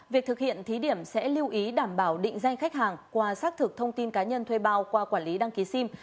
việc thực hiện thí điểm sẽ lưu ý đảm bảo định danh khách hàng qua xác thực thông tin cá nhân thuê bao qua quản lý đăng ký sim